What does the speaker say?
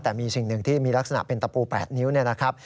แต่มีสิ่งหนึ่งที่มีลักษณะเป็นตะปู๘นิ้วเนี่ยนะครับ